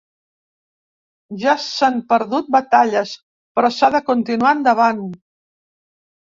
Ja s’han perdut batalles, però s’ha de continuar endavant.